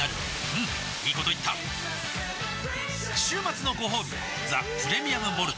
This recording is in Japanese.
うんいいこと言った週末のごほうび「ザ・プレミアム・モルツ」